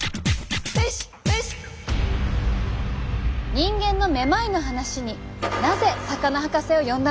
人間のめまいの話になぜ魚博士を呼んだのか？